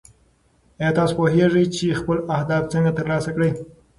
ایا تاسو پوهېږئ چې خپل اهداف څنګه ترلاسه کړئ؟